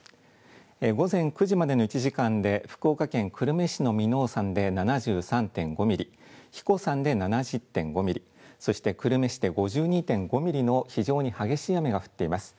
午前９時までの１時間で福岡県久留米市の耳納山で７３．５ミリ、英彦山で７０．５ミリ、そして久留米市で５２．５ミリの非常に激しい雨が降っています。